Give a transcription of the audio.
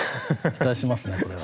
期待しますねこれは。